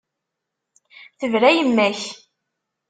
Tebra yemma-k.